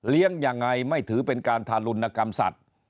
ยังไงไม่ถือเป็นการทารุณกรรมสัตว์